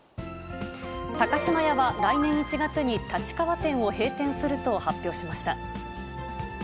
高島屋は、来年１月に立川店を閉店すると発表しました。